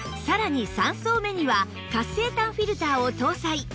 さらに３層目には活性炭フィルターを搭載